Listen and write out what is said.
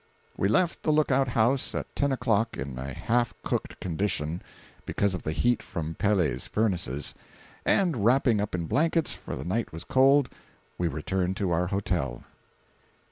We left the lookout house at ten o'clock in a half cooked condition, because of the heat from Pele's furnaces, and wrapping up in blankets, for the night was cold, we returned to our Hotel.